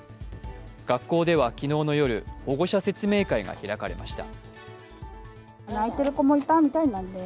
学校では昨日の夜、保護者説明会が開かれました。